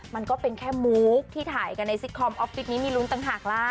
มันก็เป็นแค่มุกที่ถ่ายกันในซิตคอมออฟฟิศนี้มีลุ้นต่างหากล่ะ